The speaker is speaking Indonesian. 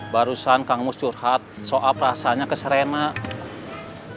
barusan kamu curhat soal rasanya keserenak